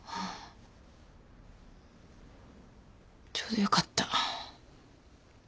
ちょうどよかった。